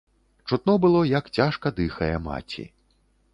Чутно было, як цяжка дыхае маці.